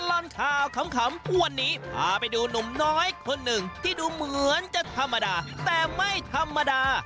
ตลอดข่าวขำวันนี้พาไปดูหนุ่มน้อยคนหนึ่งที่ดูเหมือนจะธรรมดาแต่ไม่ธรรมดา